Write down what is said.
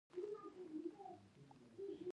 د ورزش دوام د بدن روغتیا تضمینوي.